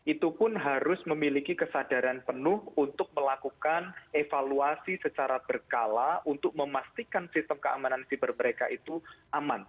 itu pun harus memiliki kesadaran penuh untuk melakukan evaluasi secara berkala untuk memastikan sistem keamanan siber mereka itu aman